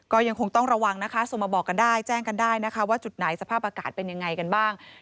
ก็ยังคงต้องระวังนะคะส่งมาบอกกันได้แจ้งกันได้นะคะว่าจุดไหนสภาพอากาศเป็นยังไงกันบ้าง